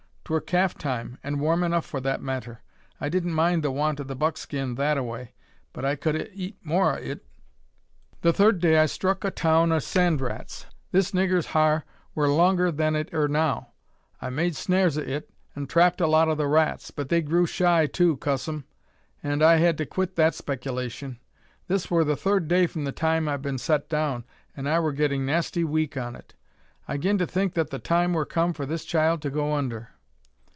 'Twur calf time, an' warm enuf for that matter. I didn't mind the want o' the buckskin that a way, but I kud 'a eat more o' it. "The third day I struck a town o' sand rats. This niggur's har wur longer then than it ur now. I made snares o' it, an' trapped a lot o' the rats; but they grew shy too, cuss 'em! an' I had to quit that speck'lashun. This wur the third day from the time I'd been set down, an' I wur getting nasty weak on it. I 'gin to think that the time wur come for this child to go under.